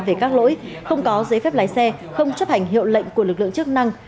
về các lỗi không có giấy phép lái xe không chấp hành hiệu lệnh của lực lượng chức năng